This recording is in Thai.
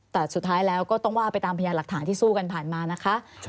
แต่สุดท้ายแล้วก็ต้องว่าไปตามพยานหลักฐานที่สู้กันผ่านมานะคะ